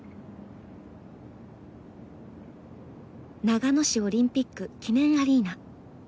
長野市オリンピック記念アリーナ。